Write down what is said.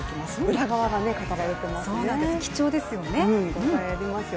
裏側が語られています。